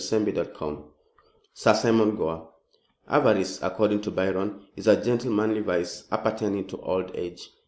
CHAPTER II SIR SIMON GORE Avarice, according to Byron, is a gentlemanly vice appertaining to old age.